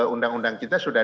undang undang kita sudah